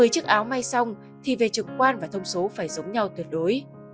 một mươi chiếc áo may xong thì về trực quan và thông số phải giống nhau tuyệt đối